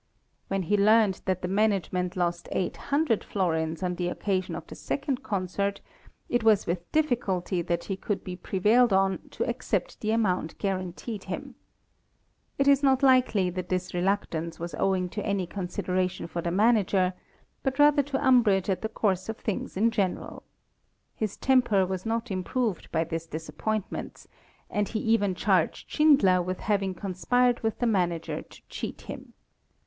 When he learned that the management lost eight hundred florins on the occasion of the second concert, it was with difficulty that he could be prevailed on to accept the amount guaranteed him. It is not likely that this reluctance was owing to any consideration for the manager, but rather to umbrage at the course of things in general. His temper was not improved by these disappointments, and he even charged Schindler with having conspired with the manager to cheat him.